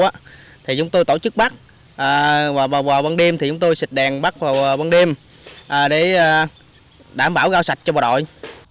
chúng tôi tổ chức bắt vào bằng đêm chúng tôi xịt đèn bắt vào bằng đêm để đảm bảo rau sạch cho bộ đội